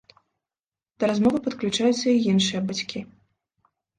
Да размовы падключаюцца і іншыя бацькі.